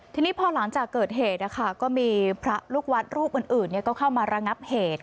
ทีนี้พอหลังจากเกิดเหตุก็มีพระลูกวัดรูปอื่นก็เข้ามาระงับเหตุ